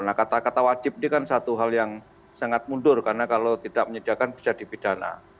nah kata kata wajib ini kan satu hal yang sangat mundur karena kalau tidak menyediakan bisa dipidana